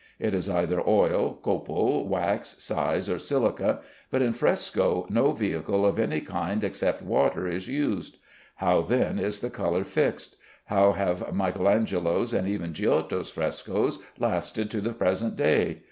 It is either oil, copal, wax, size, or silica, but in fresco no vehicle of any kind except water is used. How then is the color fixed? How have Michael Angelo's and even Giotto's frescoes lasted to the present day?